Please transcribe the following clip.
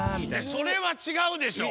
それはちがうでしょ！